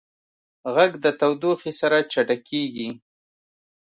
غږ د تودوخې سره چټکېږي.